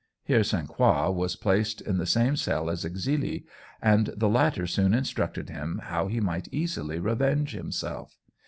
Here St. Croix was placed in the same cell as Exili, and the latter soon instructed him how he might easily revenge himself.